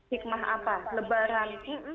hikmah apa lebaran